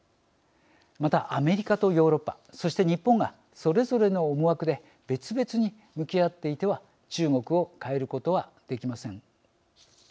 また、アメリカとヨーロッパそして日本がそれぞれの思惑で別々に向き合っていては中国を変えることはできません。